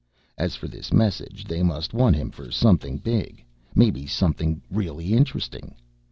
As for this message, they must want him for something big, maybe something really interesting.